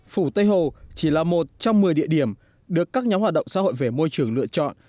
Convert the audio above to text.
phủ tây hồ chỉ là một trong một mươi địa điểm được các nhóm hoạt động xã hội về môi trường lựa chọn